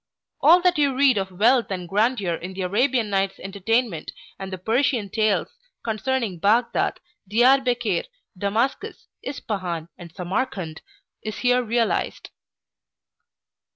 All that you read of wealth and grandeur in the Arabian Nights' Entertainment, and the Persian Tales, concerning Bagdad, Diarbekir, Damascus, Ispahan, and Samarkand, is here realized.